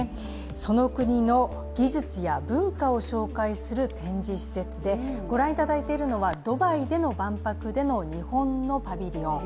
その国の技術や文化を紹介する展示施設でご覧いただいているのはドバイでの万博の日本のパビリオン。